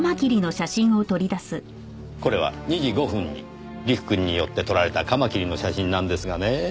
これは２時５分に陸くんによって撮られたカマキリの写真なんですがね